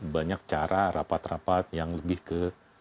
banyak cara rapat rapat yang lebih ke